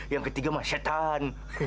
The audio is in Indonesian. yang ketiga mah setan